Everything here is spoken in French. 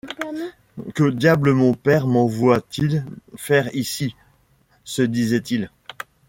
Que diable mon père m’envoie-t-il faire ici? se disait-il.